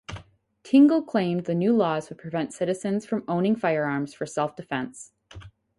Tingle claimed the new laws would prevent citizens from owning firearms for self-defence.